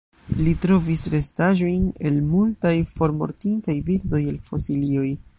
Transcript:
Li trovis restaĵojn el multaj formortintaj birdoj el fosilioj.